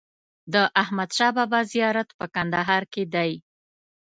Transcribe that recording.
د احمدشاه بابا زیارت په کندهار کې دی.